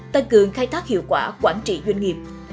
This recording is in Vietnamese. tăng cường khai thác hiệu quả quản trị doanh nghiệp